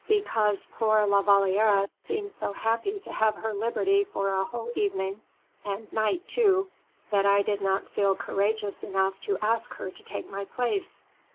"Because poor La Valliere seemed so happy to have her liberty for a whole evening and night too, that I did not feel courageous enough to ask her to take my place."